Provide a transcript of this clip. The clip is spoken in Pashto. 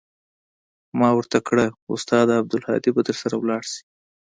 ما ورته كړه استاده عبدالهادي به درسره ولاړ سي.